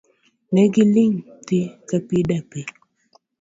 Ne giling' thii kapi dapi.